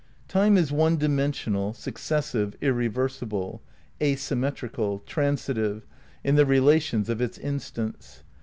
Time is one dimensional, successive, irreversible (asym metrical), transitive, in the relations of its instants.